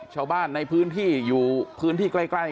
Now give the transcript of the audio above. ชาวบ้านในพื้นที่อยู่พื้นที่ใกล้